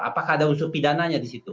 apakah ada unsur pidananya di situ